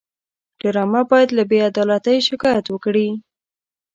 ډرامه باید له بېعدالتۍ شکایت وکړي